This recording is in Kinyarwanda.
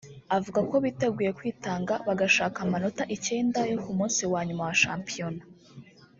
avuga ko biteguye kwitanga bagashaka amanota icyenda yo ku munsi wa nyuma wa shampiyona